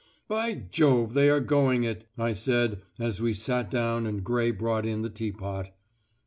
'By Jove, they are going it,' I said, as we sat down and Gray brought in the teapot.